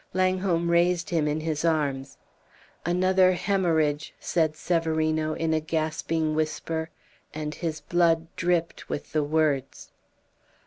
Langholm raised him in his arms. "Another hemorrhage!" said Severino, in a gasping whisper. And his blood dripped with the words.